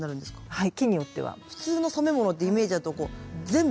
はい。